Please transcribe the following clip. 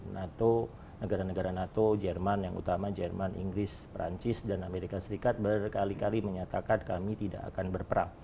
nato negara negara nato jerman yang utama jerman inggris perancis dan amerika serikat berkali kali menyatakan kami tidak akan berperang